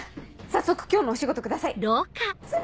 早速今日のお仕事ください。